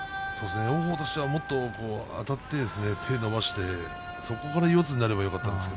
王鵬としてはもう少しあたって手を伸ばしてそこから四つになればよかったと思うんですが。